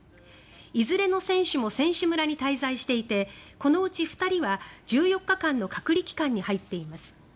いずれの選手も選手村に滞在していてこのうち２人は１４日間の隔離期間に入っています。